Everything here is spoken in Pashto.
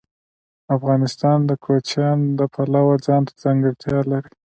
افغانستان د کوچیان د پلوه ځانته ځانګړتیا لري.